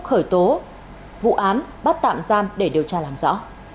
khởi tố vụ án bắt tạm giam để điều tra làm rõ